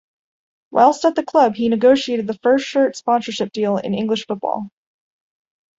Whilst at the club he negotiated the first shirt sponsorship deal in English football.